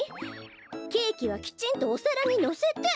ケーキはきちんとおさらにのせて。